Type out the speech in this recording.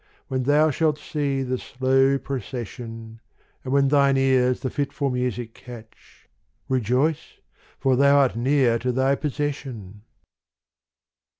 When thou shalt see the slow procession, And when thine ears the fitful music catch. Rejoice ! for thou art near to thy possession.